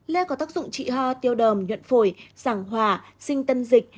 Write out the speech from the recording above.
lê có tác dụng trị hoa tiêu đờm nhuận phổi giảng hỏa sinh tân dịch